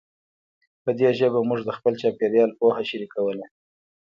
په دې ژبه موږ د خپل چاپېریال پوهه شریکوله.